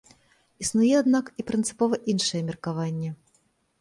Існуе, аднак, і прынцыпова іншае меркаванне.